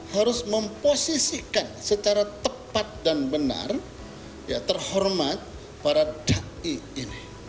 harus memposisikan secara tepat dan benar terhormat para ⁇ dai ⁇ ini